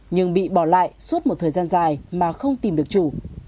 nhưng bị bỏ lại suốt một thời gian dài mà không tìm được chủ